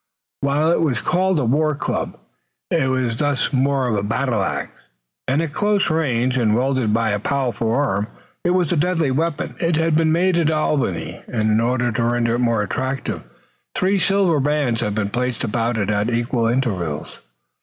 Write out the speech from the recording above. While it was called a war club, it was thus more of a battle ax, and at close range and wielded by a powerful arm it was a deadly weapon. It had been made at Albany, and in order to render it more attractive three silver bands had been placed about it at equal intervals.